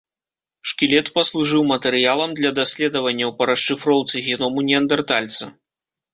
Шкілет паслужыў матэрыялам для даследаванняў па расшыфроўцы геному неандэртальца.